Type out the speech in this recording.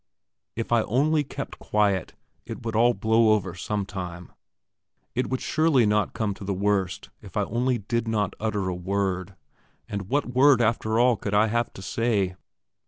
If I only kept quiet it would all blow over sometime; it would surely not come to the worst if I only did not utter a word; and what word after all could I have to say?